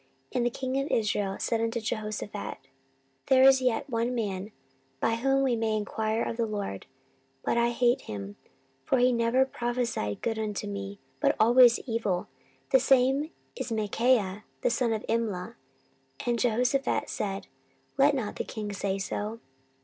14:018:007 And the king of Israel said unto Jehoshaphat, There is yet one man, by whom we may enquire of the LORD: but I hate him; for he never prophesied good unto me, but always evil: the same is Micaiah the son of Imla. And Jehoshaphat said, Let not the king say so.